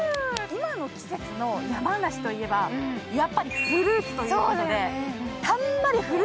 今の季節の山梨といえばやっぱりフルーツということで。